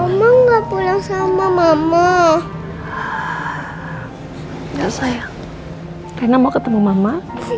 hai omong omong sama mama ya sayang karena mau ketemu mama